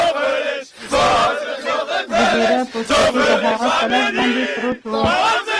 د زیبرا پوستکی د هغه په لاس باندې پروت و